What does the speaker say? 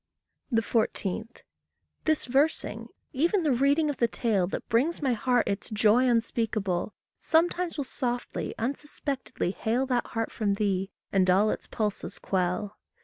14. This versing, even the reading of the tale That brings my heart its joy unspeakable, Sometimes will softly, unsuspectedly hale That heart from thee, and all its pulses quell.